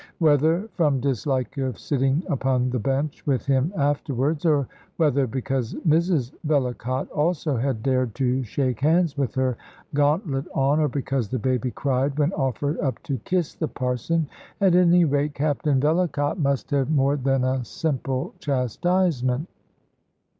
Whether from dislike of sitting upon the bench with him afterwards, or whether because Mrs Vellacott also had dared to shake hands with her gauntlet on, or because the baby cried when offered up to kiss the Parson at any rate, Captain Vellacott must have more than a simple chastisement.